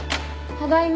ただいま。